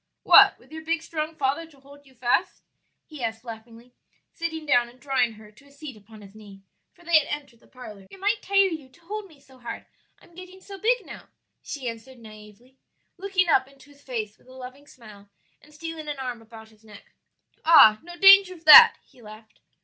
"What, with your big strong father to hold you fast?" he asked laughingly, sitting down and drawing her to a seat upon his knee; for they had entered the parlor. "It might tire you to hold me so hard; I'm getting so big now," she answered naïvely, looking up into his face with a loving smile and stealing an arm about his neck. "Ah, no danger of that," he laughed.